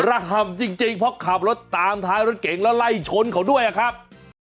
ห่ำจริงเพราะขับรถตามท้ายรถเก่งแล้วไล่ชนเขาด้วยอะครับ